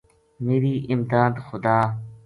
میری امداد خدا